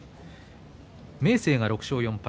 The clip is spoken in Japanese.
明生が６勝４敗